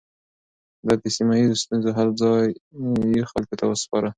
ده د سيمه ييزو ستونزو حل ځايي خلکو ته سپاره.